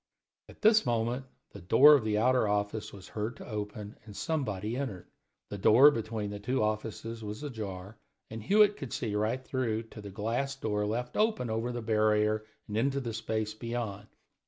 At this moment the door of the outer office was heard to open and somebody entered. The door between the two offices was ajar, and Hewitt could see right through to the glass door left open over the barrier and into the space beyond.